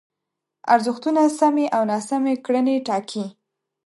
ارزښتونه سمې او ناسمې کړنې ټاکي.